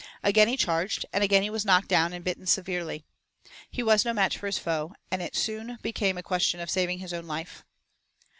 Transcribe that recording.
Again he charged and again he was knocked down and bitten severely. He was no match for his foe, and it soon became a question of saving his own life.